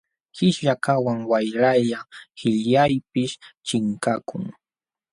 Qishyakaqwan wayralla qillaypis chinkakun.